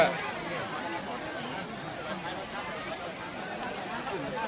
เหล้าเค้าะอ่า